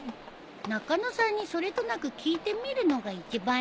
中野さんにそれとなく聞いてみるのが一番いいかもね。